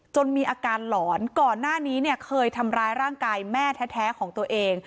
มีอาการหลอนก่อนหน้านี้เนี่ยเคยทำร้ายร่างกายแม่แท้ของตัวเอง